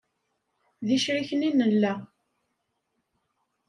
D icriken i nella.